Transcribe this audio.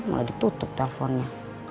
mulai ditutup telfonnya